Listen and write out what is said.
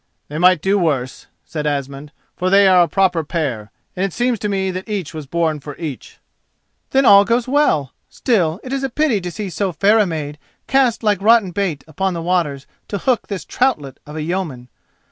"They might do worse," said Asmund, "for they are a proper pair, and it seems to me that each was born for each." "Then all goes well. Still, it is a pity to see so fair a maid cast like rotten bait upon the waters to hook this troutlet of a yeoman.